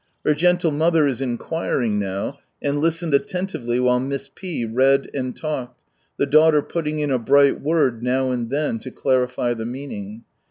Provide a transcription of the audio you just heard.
Her gentle mother is inquiring now, and listened attentively while Miss P. read and talked, the daughter putting in a bright word now and then, to clarify the meaning.